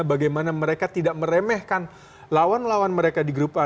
bagaimana mereka tidak meremehkan lawan lawan mereka di grup a